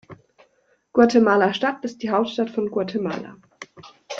Guatemala-Stadt ist die Hauptstadt von Guatemala.